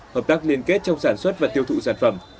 hợp tác liên kết trong sản xuất và tiêu thụ sản phẩm